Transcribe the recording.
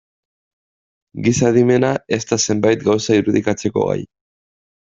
Giza adimena ez da zenbait gauza irudikatzeko gai.